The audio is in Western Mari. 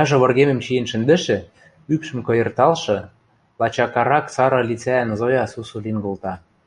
Яжо выргемӹм чиэн шӹндӹшӹ, ӱпшӹм кыйырталшы, лачакарак сары лицӓӓн Зоя сусу лин колта.